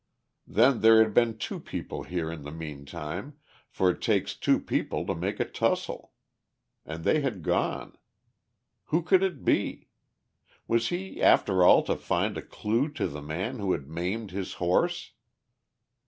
Then there had been two people here in the meantime, for it takes two people to make a tussel. And they had gone. Who could it be? Was he after all to find a clue to the man who had maimed his horse?